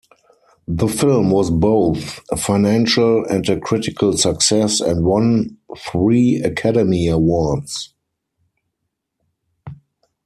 The film was both a financial and critical success, and won three Academy Awards.